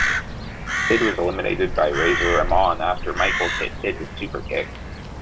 Sid was eliminated by Razor Ramon after Michaels hit Sid with superkick.